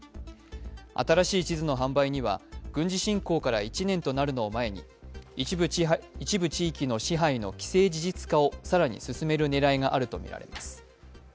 新しい地図の販売には、軍事侵攻から１年となるのを前に一部地域の支配の既成事実化を更に進める狙いがあるとみられます。